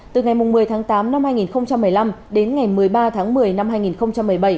từ ngày một mươi tháng tám năm hai nghìn một mươi năm đến ngày một mươi ba tháng một mươi năm hai nghìn một mươi bảy